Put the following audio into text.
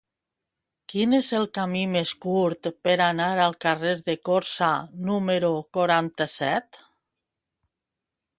Quin és el camí més curt per anar al carrer de Corçà número quaranta-set?